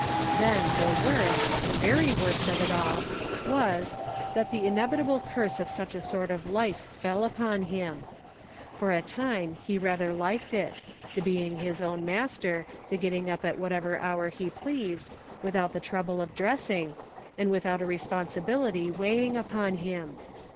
Then, the worst, the very worst of it all, was, that the inevitable curse of such a sort of life fell upon him. For a time he rather liked it ; the being his own master ; the getting up at whatever hour he pleased, without the trouble of dressing, and without a responsibility weighing upon him.